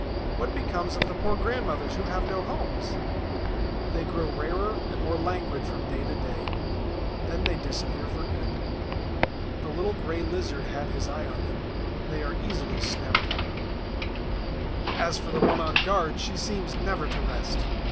What becomes of the poor grandmothers who have no homes? They grow rarer and more languid from day to day; then they disappear for good. The little Gray Lizard had his eye on them, they are easily snapped up. As for the one on guard, she seems never to rest.